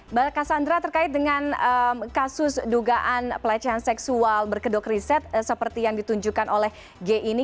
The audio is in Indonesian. mbak cassandra terkait dengan kasus dugaan pelecehan seksual berkedok riset seperti yang ditunjukkan oleh g ini